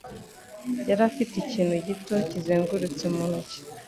Yari afite ikintu gito kizengurutse mu ntoki.